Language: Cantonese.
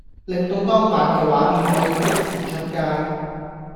令到當晚嘅畫面可以即時出街